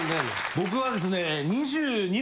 僕はですね。